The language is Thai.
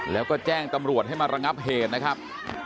แล้วก็แจ้งตำรวจให้มาระงับเหตุนะครับ